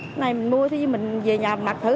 cái này mình mua thì mình về nhà mặc thử